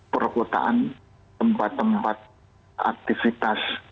perkotaan tempat tempat aktivitas